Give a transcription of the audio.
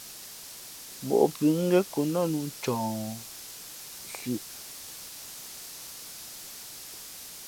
Móʼ pʉ̌ ngén kǒ nά nǔ ncααhsʉ̄ʼ.